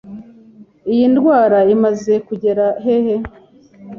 Iyi ndwara imaze kugera hehe